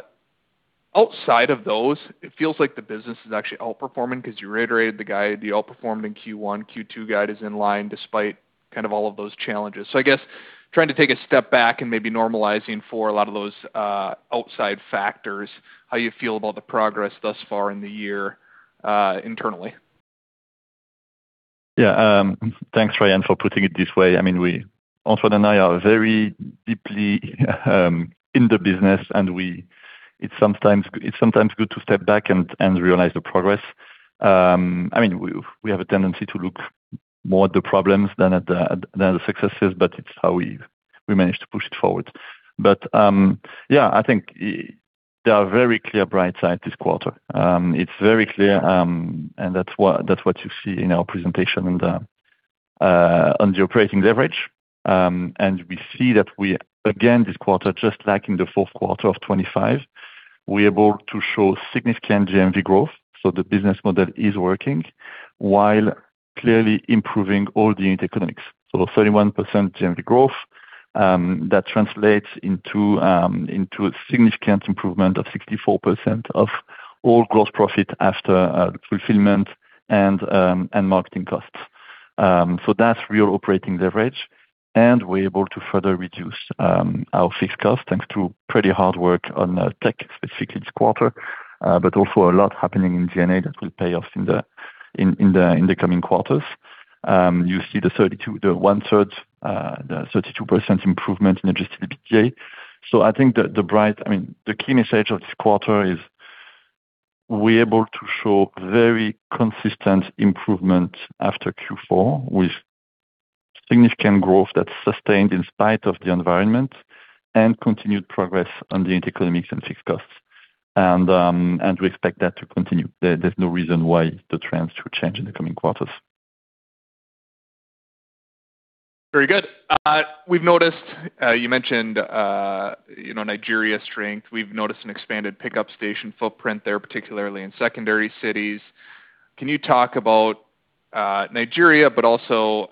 Outside of those, it feels like the business is actually outperforming, 'cause you reiterated the guide, the outperforming Q1, Q2 guide is in line despite kind of all of those challenges. I guess trying to take a step back and maybe normalizing for a lot of those, outside factors, how you feel about the progress thus far in the year, internally? Yeah. Thanks, Ryan, for putting it this way. I mean, Antoine and I are very deeply in the business, and it's sometimes good to step back and realize the progress. I mean, we have a tendency to look more at the problems than at the successes, it's how we manage to push it forward. Yeah, I think there are very clear bright side this quarter. It's very clear, and that's what you see in our presentation on the operating leverage. We see that we, again, this quarter, just like in the fourth quarter of 2025, we're able to show significant GMV growth, so the business model is working, while clearly improving all the unit economics. 31% GMV growth, that translates into a significant improvement of 64% of all gross profit after fulfillment and marketing costs. That's real operating leverage, and we're able to further reduce our fixed costs, thanks to pretty hard work on tech, specifically this quarter, but also a lot happening in G&A that will pay off in the coming quarters. You see the 32, the one-third, the 32% improvement in adjusted EBITDA. I mean, the key message of this quarter is we're able to show very consistent improvement after Q4, with significant growth that's sustained in spite of the environment and continued progress on the unit economics and fixed costs. We expect that to continue. There's no reason why the trends to change in the coming quarters. Very good. We've noticed, you mentioned, you know, Nigeria strength. We've noticed an expanded pickup station footprint there, particularly in secondary cities. Can you talk about Nigeria, but also,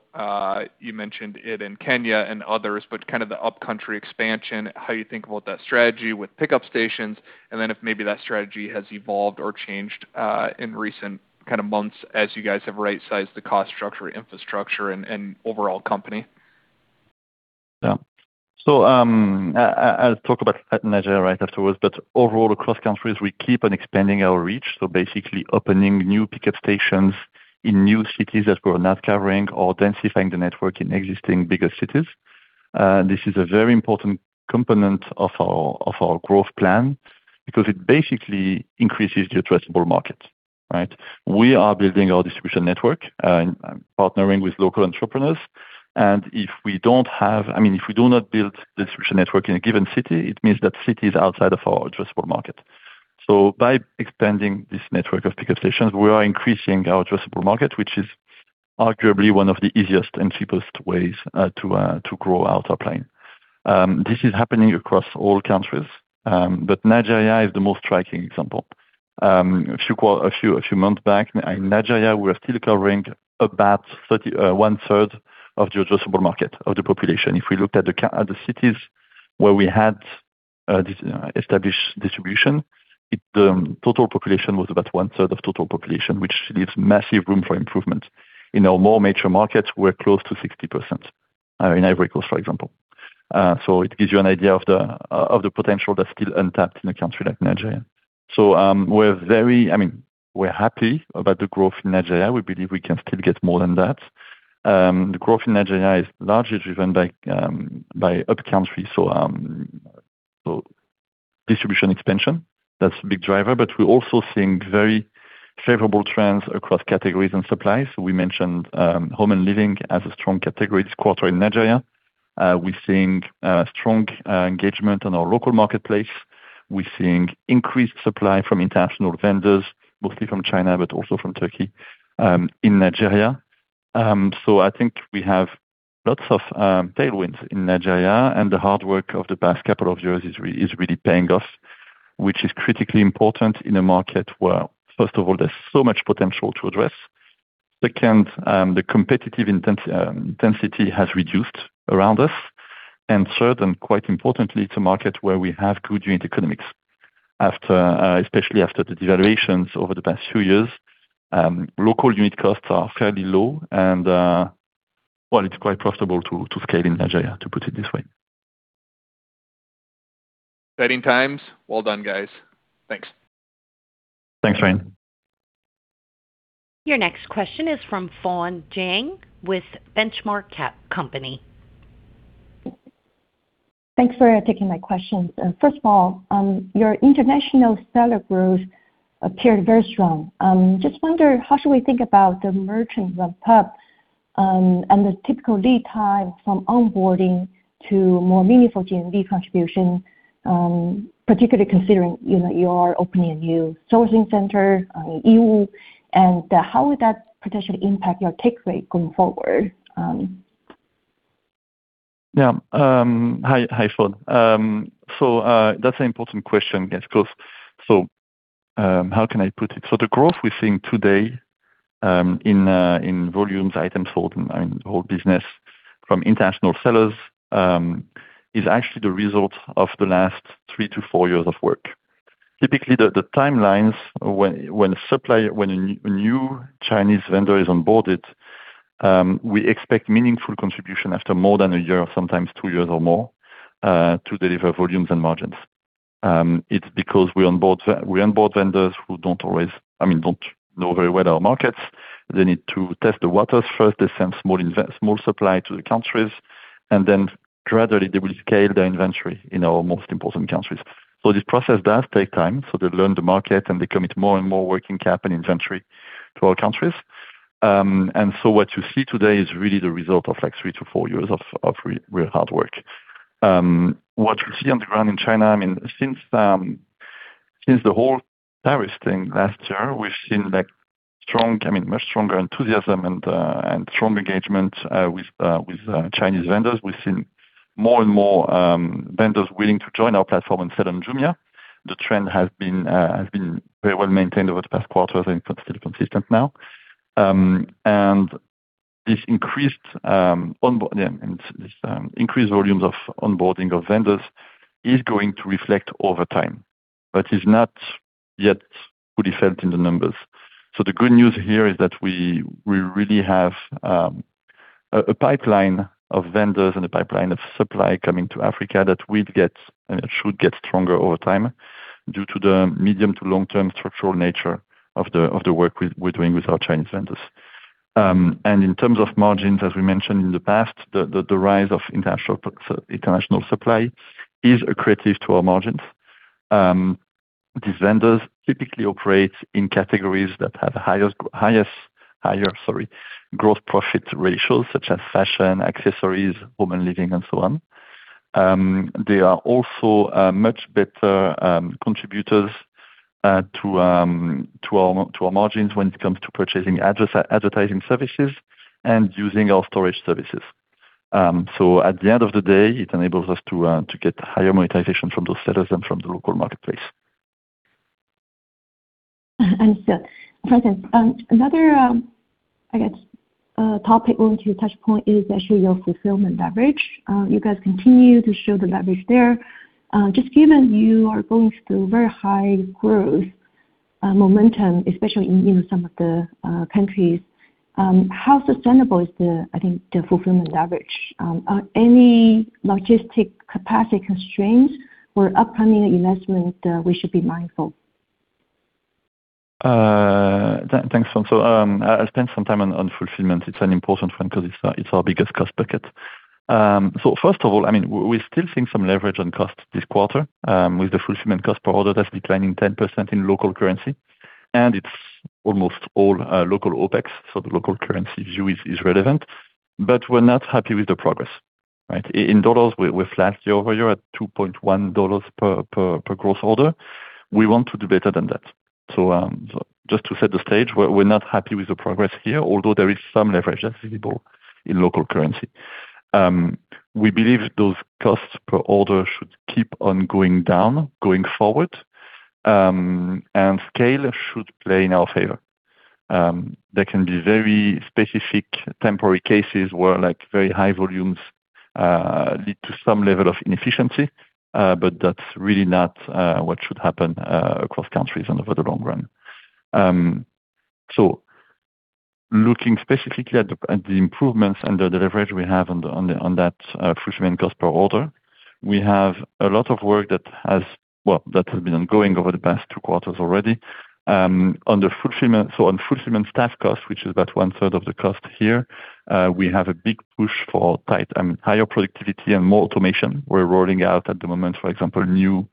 you mentioned it in Kenya and others, but kind of the upcountry expansion, how you think about that strategy with pickup stations, and then if maybe that strategy has evolved or changed, in recent kind of months as you guys have right-sized the cost structure, infrastructure and overall company. Yeah. I'll talk about Nigeria right afterwards, but overall across countries, we keep on expanding our reach, basically opening new pickup stations in new cities that we're not covering or densifying the network in existing bigger cities. This is a very important component of our growth plan because it basically increases the addressable market, right? We are building our distribution network and partnering with local entrepreneurs, I mean, if we do not build the distribution network in a given city, it means that city is outside of our addressable market. By expanding this network of pickup stations, we are increasing our addressable market, which is arguably one of the easiest and cheapest ways to grow our top line. This is happening across all countries. Nigeria is the most striking example. A few months back, in Nigeria, we were still covering about one-third of the addressable market of the population. If we looked at the cities where we had this established distribution, it, total population was about one-third of total population, which leaves massive room for improvement. In our more mature markets, we're close to 60% in Ivory Coast, for example. It gives you an idea of the potential that's still untapped in a country like Nigeria. I mean, we're happy about the growth in Nigeria. We believe we can still get more than that. The growth in Nigeria is largely driven by upcountry, so distribution expansion. That's a big driver. We're also seeing very favorable trends across categories and supplies. We mentioned home and living as a strong category this quarter in Nigeria. We're seeing strong engagement on our local marketplace. We're seeing increased supply from international vendors, mostly from China, but also from Turkey in Nigeria. I think we have lots of tailwinds in Nigeria, and the hard work of the past couple of years is really paying off, which is critically important in a market where, first of all, there's so much potential to address. Second, the competitive intensity has reduced around us. Third, and quite importantly, it's a market where we have good unit economics. After, especially after the devaluations over the past few years, local unit costs are fairly low and, well, it's quite profitable to scale in Nigeria, to put it this way. Setting times. Well done, guys. Thanks. Thanks, Ryan. Your next question is from Fawne Jiang with The Benchmark Company. Thanks for taking my questions. First of all, your international seller growth appeared very strong. Just wonder how should we think about the merchants ramp up, and the typical lead time from onboarding to more meaningful GMV contribution, particularly considering, you know, you are opening a new sourcing center in Yiwu, and how would that potentially impact your take rate going forward? Hi. Hi, Fawne. That's an important question, I guess. How can I put it? The growth we're seeing today, in volumes, items sold and whole business from international sellers, is actually the result of the last three to four years of work. Typically, the timelines when a supplier, when a new Chinese vendor is onboarded, we expect meaningful contribution after more than one year, sometimes two years or more, to deliver volumes and margins. It's because we onboard vendors who don't always, I mean, don't know very well our markets. They need to test the waters first. They send small supply to the countries, and then gradually they will scale their inventory in our most important countries. This process does take time. They learn the market, and they commit more and more working cap and inventory to our countries. What you see today is really the result of like three to four years of real hard work. What you see on the ground in China, I mean, since since the whole tariffs thing last year, we've seen like strong, I mean, much stronger enthusiasm and strong engagement with Chinese vendors. We've seen more and more vendors willing to join our platform and sell on Jumia. The trend has been very well maintained over the past quarters and still consistent now. This increased volumes of onboarding of vendors is going to reflect over time, but is not yet fully felt in the numbers. The good news here is that we really have a pipeline of vendors and a pipeline of supply coming to Africa that will get, and it should get stronger over time due to the medium to long-term structural nature of the work we're doing with our Chinese vendors. In terms of margins, as we mentioned in the past, the rise of international so international supply is accretive to our margins. These vendors typically operate in categories that have highest, higher, sorry, gross profit ratios such as fashion, accessories, home and living, and so on. They are also much better contributors to our margins when it comes to purchasing advertising services and using our storage services. At the end of the day, it enables us to get higher monetization from those sellers than from the local marketplace. Understood. Thanks. another, I guess, topic I want you to touch point is actually your fulfillment leverage. You guys continue to show the leverage there. just given you are going through very high growth, momentum, especially in, you know, some of the countries, how sustainable is the, I think, the fulfillment leverage? Are any logistic capacity constraints or upcoming investment that we should be mindful? Thanks, Fawne. I spent some time on fulfillment. It's an important front 'cause it's our biggest cost bucket. First of all, I mean, we still seeing some leverage on cost this quarter, with the fulfillment cost per order that's declining 10% in local currency, and it's almost all local OPEX, so the local currency view is relevant. We're not happy with the progress, right? In dollars we're flat year-over-year at $2.1 per gross order. We want to do better than that. Just to set the stage, we're not happy with the progress here, although there is some leverage that's visible in local currency. We believe those costs per order should keep on going down going forward, and scale should play in our favor. There can be very specific temporary cases where like very high volumes lead to some level of inefficiency, but that's really not what should happen across countries and over the long run. Looking specifically at the, at the improvements and the leverage we have on the, on the, on that fulfillment cost per order, we have a lot of work that has been ongoing over the past two quarters already. On fulfillment staff cost, which is about one-third of the cost here, we have a big push for tight, higher productivity and more automation. We're rolling out at the moment, for example, new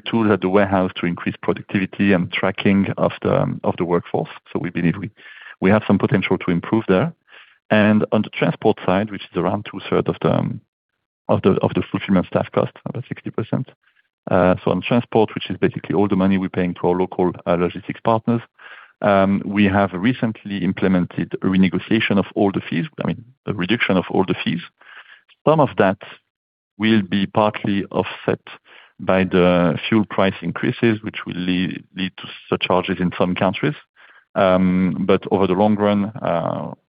tools at the warehouse to increase productivity and tracking of the workforce. We believe we have some potential to improve there. On the transport side, which is around 2/3 of the fulfillment staff cost, about 60%. On transport, which is basically all the money we're paying to our local logistics partners, we have recently implemented a renegotiation of all the fees. I mean, a reduction of all the fees. Some of that will be partly offset by the fuel price increases, which will lead to surcharges in some countries. Over the long run,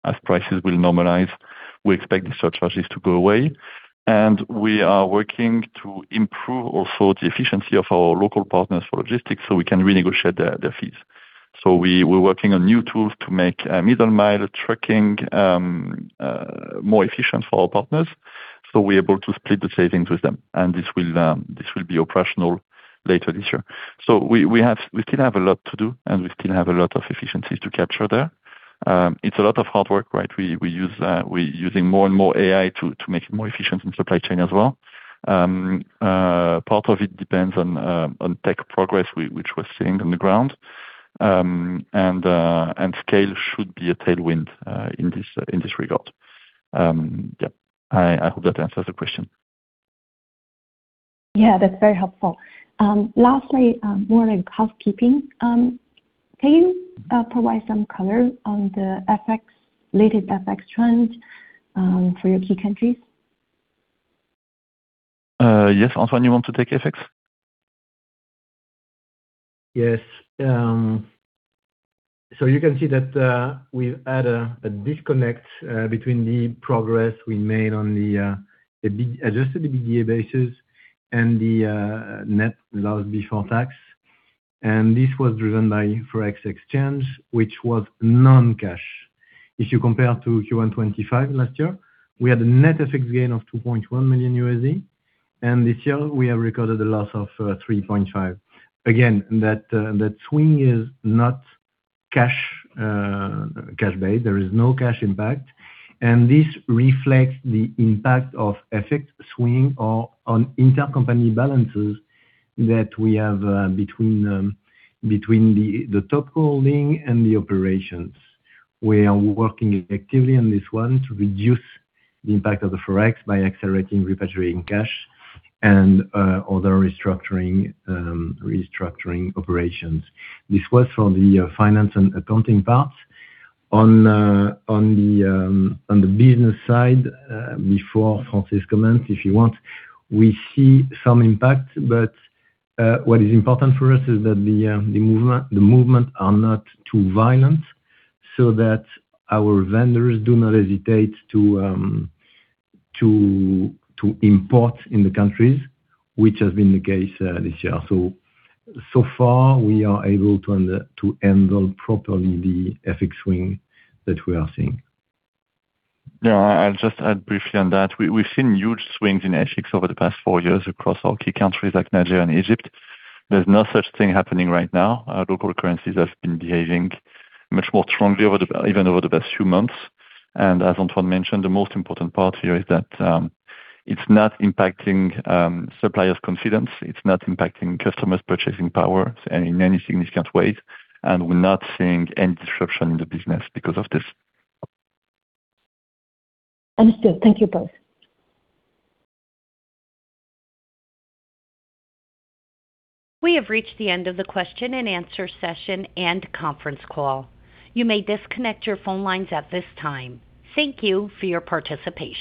as prices will normalize, we expect the surcharges to go away. We are working to improve also the efficiency of our local partners for logistics so we can renegotiate their fees. We're working on new tools to make middle mile trucking more efficient for our partners, so we're able to split the savings with them, this will be operational later this year. We still have a lot to do, and we still have a lot of efficiencies to capture there. It's a lot of hard work, right? We're using more and more AI to make it more efficient in supply chain as well. Part of it depends on tech progress which we're seeing on the ground. Scale should be a tailwind in this regard. Yeah. I hope that answers the question. Yeah, that's very helpful. Lastly, more like housekeeping, can you provide some color on the FX, latest FX trends, for your key countries? Yes. Antoine, you want to take FX? Yes. You can see that we had a disconnect between the progress we made on the big adjusted EBITDA basis and the net loss before tax. This was driven by Forex exchange, which was non-cash. If you compare to Q1 2025 last year, we had a net FX gain of $2.1 million, and this year we have recorded a loss of $3.5. Again, that swing is not cash-based. There is no cash impact. This reflects the impact of FX swing on intercompany balances that we have between the top holding and the operations. We are working actively on this one to reduce the impact of the Forex by accelerating repatriating cash and other restructuring operations. This was from the finance and accounting parts. On the business side, before Francis comments, if you want, we see some impact, but what is important for us is that the movement are not too violent so that our vendors do not hesitate to import in the countries, which has been the case this year. So far we are able to handle properly the FX swing that we are seeing. Yeah. I'll just add briefly on that. We've seen huge swings in FX over the past four years across all key countries like Nigeria and Egypt. There's no such thing happening right now. Our local currencies have been behaving much more strongly over the past few months. As Antoine mentioned, the most important part here is that it's not impacting suppliers' confidence. It's not impacting customers' purchasing power in any significant ways. We're not seeing any disruption in the business because of this. Understood. Thank you both. We have reached the end of the question and answer session and conference call. You may disconnect your phone lines at this time. Thank you for your participation.